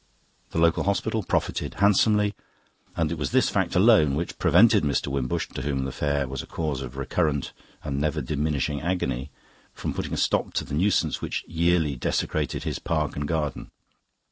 The local hospital profited handsomely, and it was this fact alone which prevented Mr. Wimbush, to whom the Fair was a cause of recurrent and never diminishing agony, from putting a stop to the nuisance which yearly desecrated his park and garden.